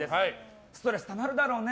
ストレスたまるだろうね。